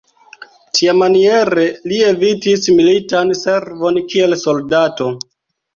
Tiamaniere li evitis militan servon kiel soldato.